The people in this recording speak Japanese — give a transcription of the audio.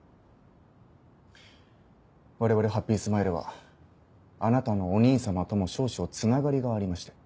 我々ハッピースマイルはあなたのお兄さまとも少々つながりがありまして。